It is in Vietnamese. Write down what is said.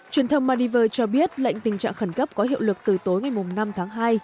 truyền thông maldives cho biết lệnh tình trạng khẩn cấp có hiệu lực từ tối ngày năm tháng hai